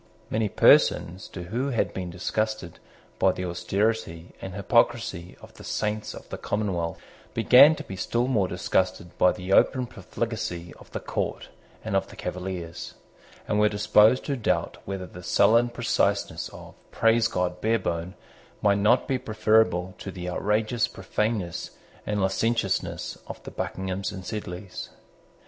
Many persons too who had been disgusted by the austerity and hypocrisy of the Saints of the Commonwealth began to be still more disgusted by the open profligacy of the court and of the Cavaliers, and were disposed to doubt whether the sullen preciseness of Praise God Barebone might not be preferable to the outrageous profaneness and licentiousness of the Buckinghams and Sedleys.